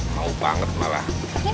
mau banget malah